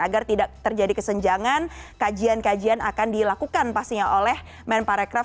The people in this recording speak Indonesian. agar tidak terjadi kesenjangan kajian kajian akan dilakukan pastinya oleh men parekraf